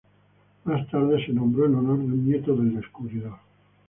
Más tarde se nombró en honor de un nieto del descubridor.